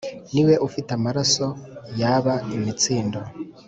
niwe ufite amaraso yaba imitsindo